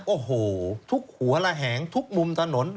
โอ้โหทุกหัวระแหงทุกมุมถนน